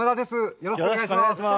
よろしくお願いします。